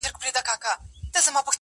حافظه يې ژوندۍ ساتي تل,